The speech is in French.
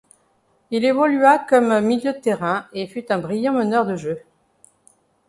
Il évolua comme milieu de terrain et fut un brillant meneur de jeu.